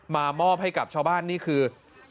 มอบให้กับชาวบ้านนี่คือ